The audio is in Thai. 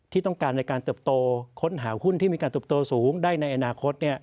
ที่ต้องการในการเติบโตค้นหาหุ้นที่มีการเติบโตสูงได้ในอนาคต